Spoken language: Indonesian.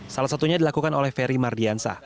salah satunya dilakukan oleh ferry mardiansa